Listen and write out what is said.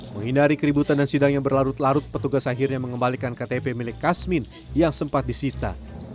menghindari keributan dan sidang yang berlarut larut petugas akhirnya mengembalikan ktp milik kasmin yang sempat disita